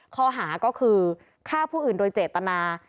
ข้อหาก็คือฆ่าผู้อื่นโดยเจตนา